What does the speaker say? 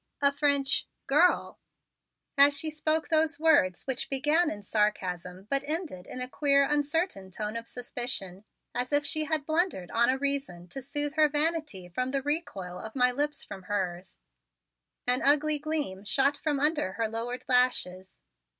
a French girl!" As she spoke those words, which began in sarcasm but ended in a queer uncertain tone of suspicion, as if she had blundered on a reason to soothe her vanity for the recoil of my lips from hers, an ugly gleam shot from under her lowered lashes.